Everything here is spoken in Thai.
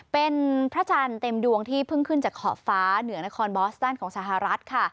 เป็นพระจันทร์เต็มดวงที่เพิ่งขึ้นจากขอบฟ้าเหนือนครบอสตันของสหรัฐค่ะ